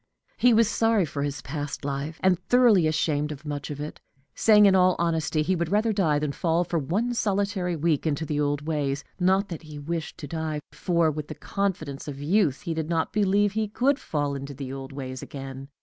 He was sorry for his past life, and thoroughly ashamed of much of it, saying in all honesty he would rather die than fall for one solitary week into the old ways not that he wished to die, for, with the confidence of youth, he did not believe he could fall into the old ways again.